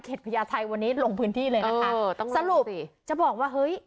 พญาไทยวันนี้ลงพื้นที่เลยนะคะเออต้องสรุปจะบอกว่าเฮ้ย